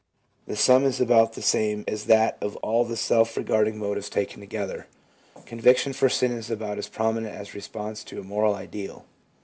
The sum is about the same as that of all the self regarding motives taken together. Conviction for sin is about as prominent as response to a moral ideal.